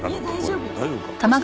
大丈夫か？